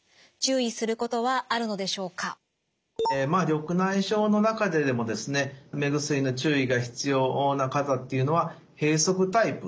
緑内障の中ででもですね目薬の注意が必要な方っていうのは閉塞タイプ。